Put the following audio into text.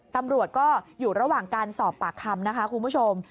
ตำรวจก็อยู่ระหว่างการสอบปากคำนะคะคุณผู้ชม